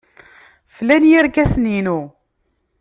Flan yirkasen-inu.